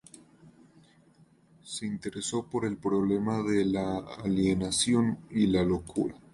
Se interesó por el problema de la alienación y la locura.